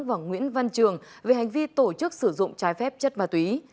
và nguyễn văn trường về hành vi tổ chức sử dụng trái phép chất ma túy